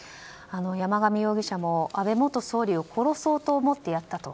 山上容疑者も安倍元総理を殺そうと思ってやったと。